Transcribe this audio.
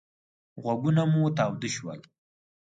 غوږونه مو تاوده شول.